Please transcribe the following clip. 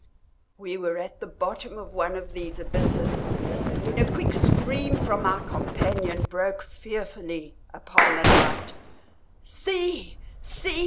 We were at the bottom of one of these abysses, when a quick scream from my companion broke fearfully upon the night. "See! see!"